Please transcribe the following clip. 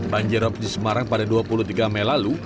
banjirop di semarang pada dua puluh tiga mei lalu